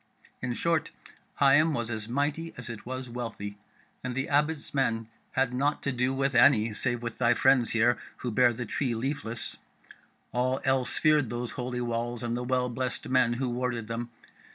In short, Higham was as mighty as it was wealthy; and the Abbot's men had naught to do with any, save with thy friends here who bear the Tree Leafless; all else feared those holy walls and the well blessed men who warded them.